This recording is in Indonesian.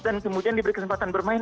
dan kemudian diberi kesempatan bermain